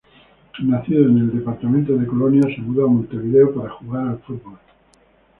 Nacido en el departamento de Colonia, se mudó a Montevideo para jugar al fútbol.